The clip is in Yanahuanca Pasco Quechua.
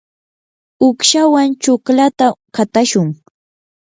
uqshawan chuklata qatashun.